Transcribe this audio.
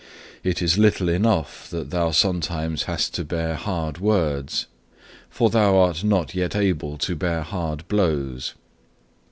It is little enough that thou sometimes hast to bear hard words, for thou art not yet able to bear hard blows.